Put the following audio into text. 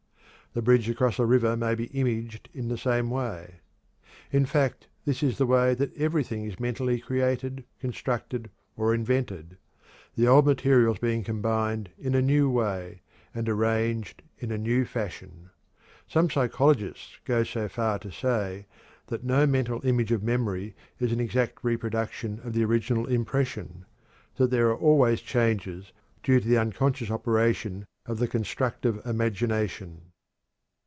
The bridge across a river may be imaged in the same way. In fact, this is the way that everything is mentally created, constructed, or invented the old materials being combined in a new way, and arranged in a new fashion. Some psychologists go so far as to say that no mental image of memory is an exact reproduction of the original impression; that there are always changes due to the unconscious operation of the constructive imagination.